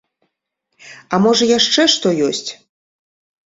А можа яшчэ што ёсць?